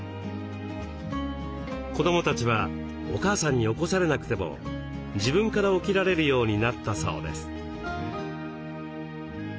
子どもたちはお母さんに起こされなくても自分から起きられるようになったそうです。